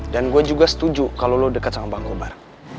dan gue juga setuju kalau lo deket sama om kobar